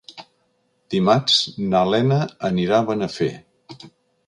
Dimarts na Lena anirà a Benafer.